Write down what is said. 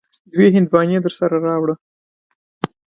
دوې هندواڼی درسره راوړه.